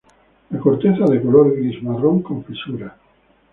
La corteza de color gris-marrón con fisuras.